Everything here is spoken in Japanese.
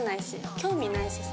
興味ないしさ。